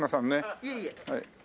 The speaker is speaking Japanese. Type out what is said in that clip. いえいえ。